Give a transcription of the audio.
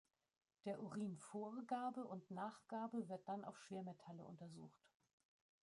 Der Urin vor Gabe und nach Gabe wird dann auf Schwermetalle untersucht.